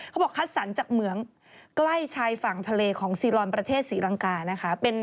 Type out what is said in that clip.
เขาบอกคัดสรรจากเหมืองใกล้ชายฝั่งทะเลของซีลอนประเทศศรีลังกานะคะ